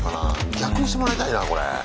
逆にしてもらいたいなこれ。